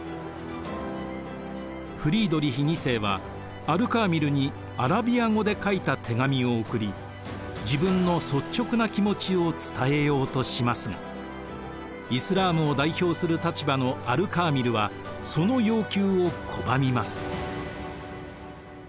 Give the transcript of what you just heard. フリードリヒ２世はアル・カーミルにアラビア語で書いた手紙を送り自分の率直な気持ちを伝えようとしますがイスラームを代表する立場のアル・カーミルはその要求を拒みます。